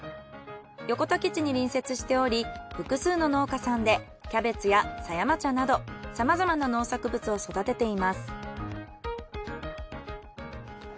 横田基地に隣接しており複数の農家さんでキャベツや狭山茶などさまざまな農作物を育てています。